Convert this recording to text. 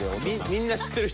みんな知ってる人？